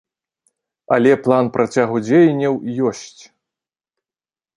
Але план працягу дзеянняў ёсць.